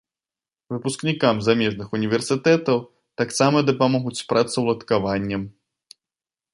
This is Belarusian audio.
Выпускнікам замежных універсітэтаў таксама дапамогуць з працаўладкаваннем.